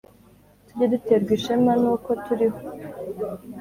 Tujye duterwa ishema n uko turiho